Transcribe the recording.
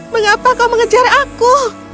mengapa kau mengejar aku